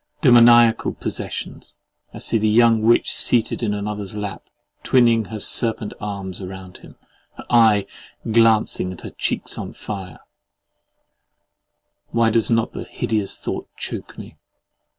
Demoniacal possessions. I see the young witch seated in another's lap, twining her serpent arms round him, her eye glancing and her cheeks on fire—why does not the hideous thought choke me?